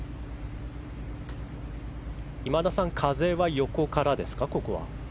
今田さん、風は横からですか？